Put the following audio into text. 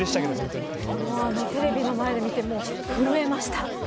テレビの前で見てふるえました。